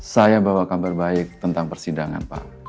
saya bawa kabar baik tentang persidangan pak